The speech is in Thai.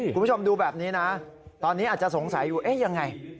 คุณผู้ชมดูแบบนี้นะตอนนี้อาจจะสงสัยอยู่เอ๊ะยังไง